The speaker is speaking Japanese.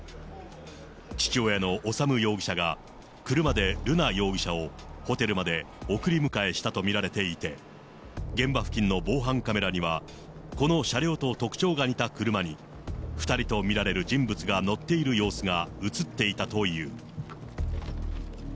父親の修容疑者が、車で瑠奈容疑者をホテルまで送り迎えしたと見られていて、現場付近の防犯カメラには、この車両と特徴が似た車に、２人と見られる人物が乗っている様子が写っていたという。